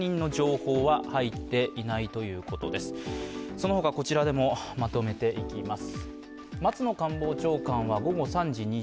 そのほかこちらでもまとめていきます。